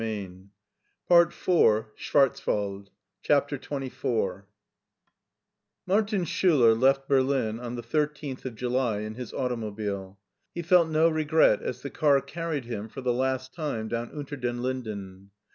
SCHWARZWALD SCHWARZWALD CHAPTER XXIV MARTIN SCHULER left Berlin on the 13th of July in his automobile. He felt no regret as the car carried him for the last time down Unter den Linden.